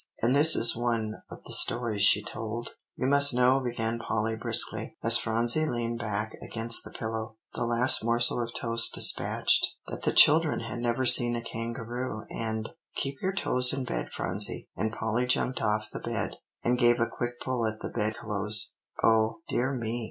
And this is one of the stories she told: "You must know," began Polly briskly, as Phronsie leaned back against the pillow, the last morsel of toast despatched, "that the children had never seen a kangaroo, and keep your toes in bed Phronsie;" and Polly jumped off the bed, and gave a quick pull at the bed clothes, "oh, dear me!